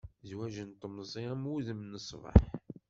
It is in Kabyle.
Zwaǧ n temẓi am wudem n ṣṣbeḥ.